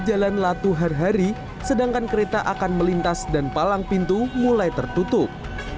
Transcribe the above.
jalan latuh hari hari sedangkan kereta akan melintas dan palang pintu mulai tertutup